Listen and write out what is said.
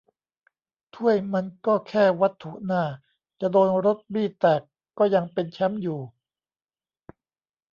ถ้วยมันก็แค่วัตถุน่า จะโดนรถบี้แตกก็ยังเป็นแชมป์อยู่